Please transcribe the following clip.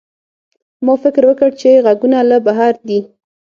ما فکر وکړ چې غږونه له بهر دي.